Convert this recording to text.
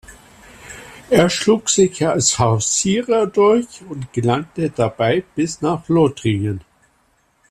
Er schlug sich als Hausierer durch und gelangte dabei bis nach Lothringen.